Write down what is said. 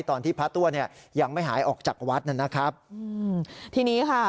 ตอนที่พระตัวเนี่ยยังไม่หายออกจากวัดนะครับอืมทีนี้ค่ะ